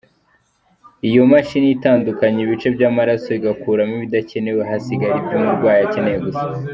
Iyo mashini itandukanya ibice by’amaraso igakuramo ibidakenewe, hagasigara ibyo umurwayi akeneye gusa.